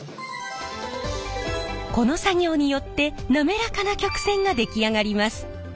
この作業によって滑らかな曲線が出来上がります。